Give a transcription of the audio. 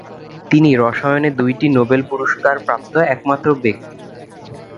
তিনি রসায়নে দুইটি নোবেল পুরস্কারপ্রাপ্ত একমাত্র ব্যক্তি।